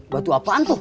batu apaan tuh